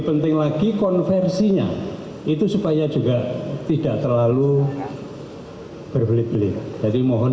karena hak dari asn untuk pen speziem pembangunan